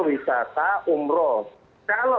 wisata umroh kalau